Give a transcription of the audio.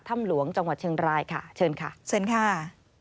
ถ้ำหลวงจังหวัดเชียงรายค่ะเชิญค่ะเชิญค่ะ